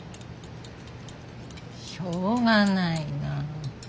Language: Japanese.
しょうがないな。